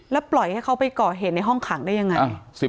แล้วปล่อยให้เขาไปก่อเหตุในห้องขังได้ยังไง